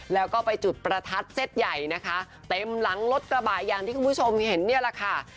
แล้วก็ไปจุดประทัดเซ็ตใหญ่นะคะเต็มหลังรถกระบะอย่างที่คุณผู้ชมเห็นเนี่ยแหละค่ะ